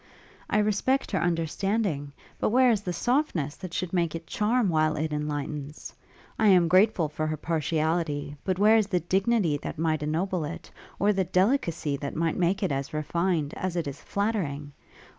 I respect her understanding; but where is the softness that should make it charm while it enlightens? I am grateful for her partiality; but where is the dignity that might ennoble it, or the delicacy that might make it as refined as it is flattering?